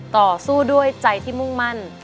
ต่อสู้ด้วยใจที่มุ่งมั่น